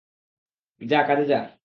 যা কাজে যা!